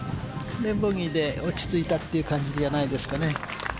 それでボギーで落ち着いたという感じじゃないですかね。